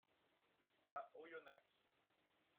À Oyonnax.